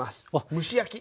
蒸し焼き。